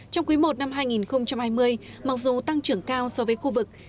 trong quý i năm hai nghìn hai mươi mặc dù tăng trưởng cao so với khu vực